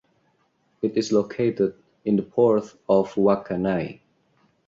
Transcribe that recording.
It is located in the Port of Wakkanai.